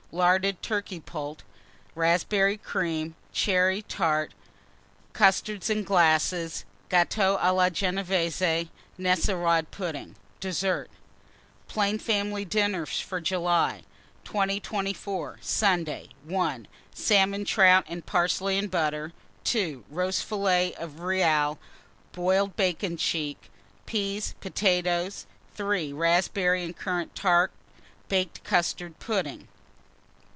Larded Turkey Poult. Raspberry Cream. Cherry Tart. Custards, in glasses. Gâteaux à la Genévése. Nesselrode Pudding. DESSERT. PLAIN FAMILY DINNERS FOR JULY. 2024. Sunday. 1. Salmon trout and parsley and butter. 2. Roast fillet of real, boiled bacon cheek, peas, potatoes. 3. Raspberry and currant tart, baked custard pudding.